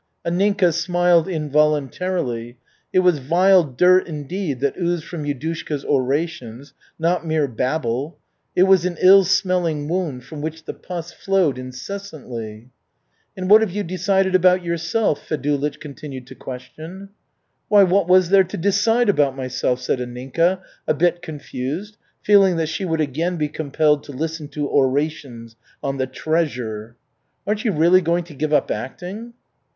Anninka smiled involuntarily. It was vile dirt indeed, that oozed from Yudushka's orations, not mere babble. It was an ill smelling wound from which the pus flowed incessantly. "And what have you decided, about yourself?" Fedulych continued to question. "Why, what was there to decide about myself?" said Anninka, a bit confused, feeling that she would again be compelled to listen to orations on the "treasure." "Aren't you really going to give up acting?"